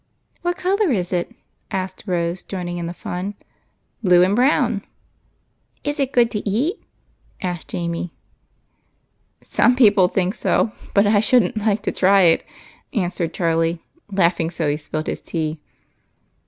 " What color is it ?" asked Rose, joining in the fun. " Blue and brown." " Is it good to eat ?" asked Jamie. THE CLAN. 21 " Some people think so, but I should n't like to try it," answered Charlie, laughing so he spilt his tea.